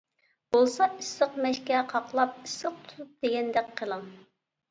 بولسا ئىسسىق مەشكە قاقلاپ، ئىسسىق تۇتۇپ دېگەندەك قىلىڭ.